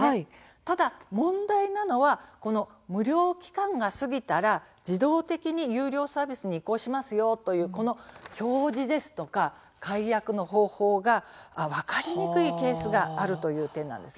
ただ問題なのは無料期間が過ぎたら自動的に有料サービスに移行しますよという表示ですとか解約の方法が分かりにくいケースがあるという点です。